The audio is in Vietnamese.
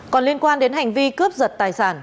còn liên quan đến hành vi cướp giật tài sản